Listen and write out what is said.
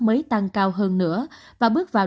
mới tăng cao hơn nữa và bước vào